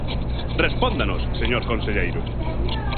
Respóndanos, señor conselleiro.